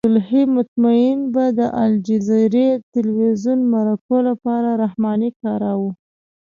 عبدالحی مطمئن به د الجزیرې تلویزیون مرکو لپاره رحماني کاراوه.